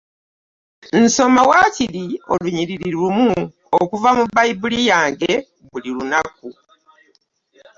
Nsoma wakiri olunyiriri lumu okuva mu Bayibuli yange buli lunaku.